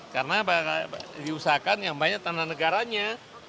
karena diusahakan yang banyak tanah negaranya